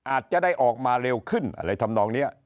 อาจจะได้ออกมาเร็วขึ้นอะไรทำนองนี้